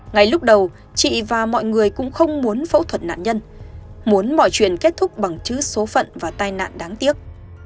ngay lúc đầu chị và mọi người cũng không muốn phẫu thuật nạn nhân muốn mọi chuyện kết thúc bằng chữ số phận và tai nạn đáng tiếc